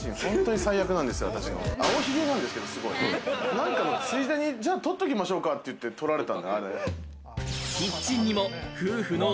青ひげなんですよ、すごい。何かのついでに、じゃあ撮っておきましょうかって言って撮られたの、あれ。